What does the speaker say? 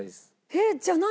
えっじゃあ何？